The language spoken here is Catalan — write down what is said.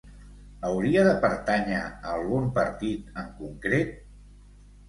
Hauria de pertànyer a algun partit en concret?